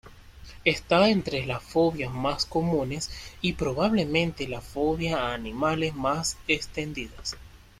Está entre las fobias más comunes, y probablemente la fobia a animales más extendida.